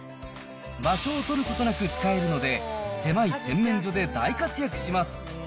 場所を取ることなく使えるので、狭い洗面所で大活躍します。